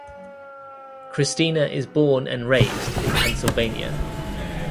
Christina is born and raised in Pennsylvania.